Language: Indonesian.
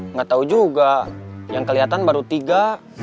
nggak tahu juga yang kelihatan baru tiga